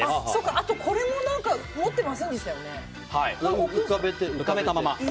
これも持ってませんでしたよね。